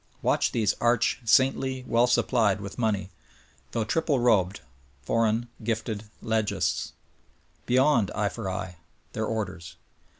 Watch these arch, saintly, well supplied with money, though triple robed, foreign, gifted legists! Beyond eye for eye: Their orders.